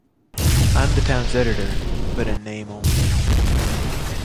I’m the town’s editor, but in name only.